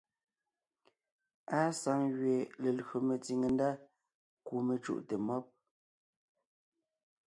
Àa saŋ gẅie lelÿò metsìŋe ndá kú mecùʼte mɔ́b.